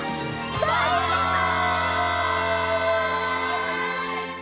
バイバイ！